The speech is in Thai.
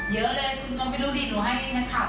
เยอะเลยคุณต้องไปดูดีหนูให้นะครับถ่ายแล้ว